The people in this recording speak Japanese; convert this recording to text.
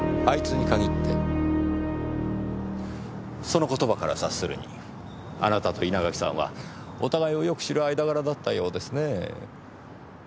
その言葉から察するにあなたと稲垣さんはお互いをよく知る間柄だったようですねぇ。